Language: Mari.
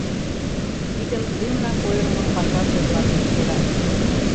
Тидым лӱмынак ойырымо пашазе-влак эскерат.